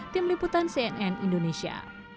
tim liputan cnn indonesia